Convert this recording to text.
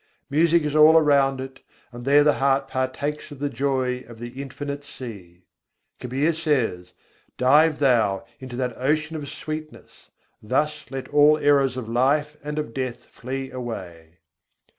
Music is all around it, and there the heart partakes of the joy of the Infinite Sea. Kabîr says: "Dive thou into that Ocean of sweetness: thus let all errors of life and of death flee away."